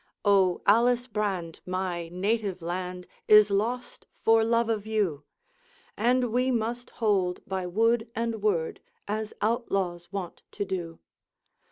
'O Alice Brand, my native land Is lost for love of you; And we must hold by wood and word, As outlaws wont to do.